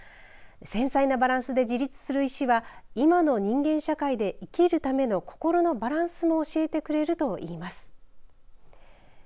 繊細なバランスで自立する石は今の人間社会で生きるための心のバランスも教えてくれるといいます。